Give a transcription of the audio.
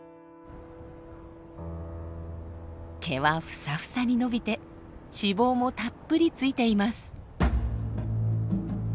毛はフサフサに伸びて脂肪もたっぷりついています。